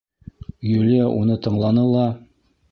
Юлия уны тыңланы ла: